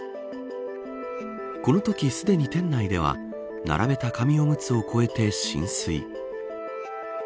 このときすでに、店内では並べた紙おむつを超えて浸水。